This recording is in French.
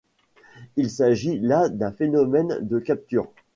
Il s'agit là d'un phénomène de capture.